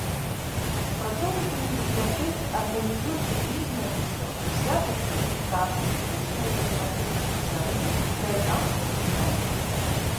Супрацоўнікамі бібліятэкі арганізуюцца кніжныя выстаўкі, святы кніг, казак, музычныя і літаратурныя вечары, краязнаўчыя чытанні.